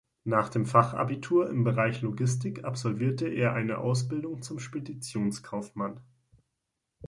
Nach dem Fachabitur im Bereich Logistik absolvierte er eine Ausbildung zum Speditionskaufmann.